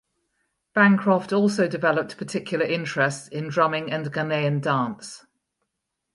Bancroft also developed particular interests in drumming and Ghanaian dance.